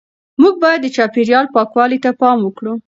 موږ باید د چاپیریال پاکوالي ته پام وکړو.